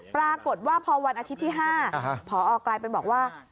ปรากฏว่าพอวันอาทิตย์ที่๕พอกลายเป็นบอกว่า